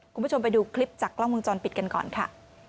คุณผู้ชมไปดูคลิปจากกล้องวงจรปิดกันก่อนค่ะ